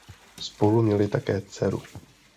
Spolu měli také dceru.